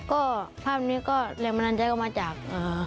ก็ภาพนี้ก็แรงบันดาลใจก็มาจาก